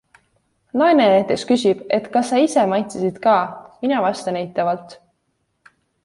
Naine näiteks küsib, et kas sa ise maitsesid ka, mina vastan eitavalt.